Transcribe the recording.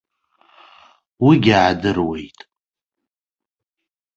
Уигьы аадыруеит.